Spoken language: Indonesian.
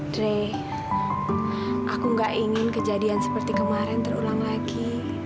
dre aku nggak ingin kejadian seperti kemarin terulang lagi